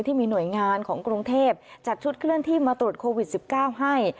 ที่มีหน่วยงานของกรุงเทพจัดชุดเคลื่อนที่มาตรวจโควิด๑๙ให้